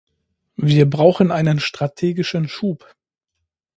Wir brauchen einen strategischen Schub.